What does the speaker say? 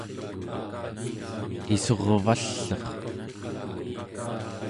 issurvall'er